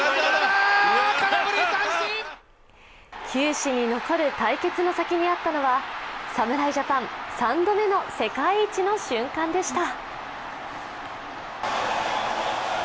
球史に残る対決の先にあったのは侍ジャパン３度目の世界一の瞬間でした。